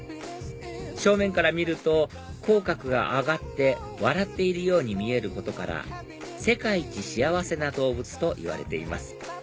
正面から見ると口角が上がって笑っているように見えることから世界一幸せな動物といわれています